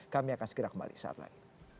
kami akan segera kembali saat lain